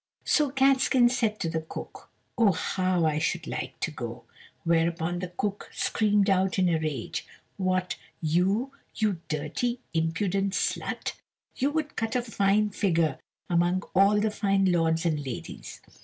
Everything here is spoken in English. So Catskin said to the cook, "Oh, how I should like to go!" Whereupon the cook screamed out in a rage, "What, you, you dirty impudent slut! you would cut a fine figure among all the fine lords and ladies."